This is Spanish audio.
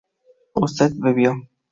usted bebió